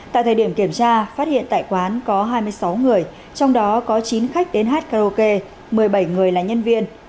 tại thời điểm kiểm tra phát hiện tại quán có hai mươi sáu người trong đó có chín khách đến hát karaoke một mươi bảy người là nhân viên